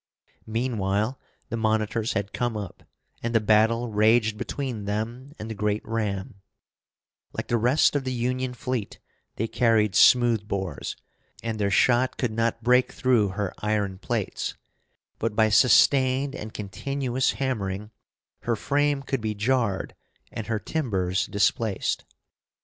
Meanwhile, the monitors had come up, and the battle raged between them and the great ram, Like the rest of the Union fleet, they carried smooth bores, and their shot could not break through her iron plates; but by sustained and continuous hammering, her frame could be jarred and her timbers displaced.